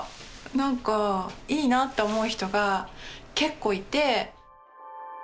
なんかいいなって思う人が結構いて。